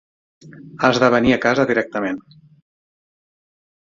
Has de venir a casa directament.